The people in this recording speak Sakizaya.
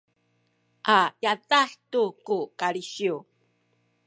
a yadah tu ku kalisiw